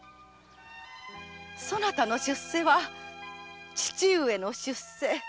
そなたの出世は父上の出世。